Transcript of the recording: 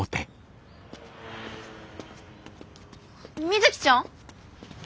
みづきちゃん。